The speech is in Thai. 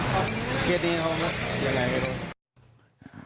เกษตรนี้เขาอย่างไรก็รู้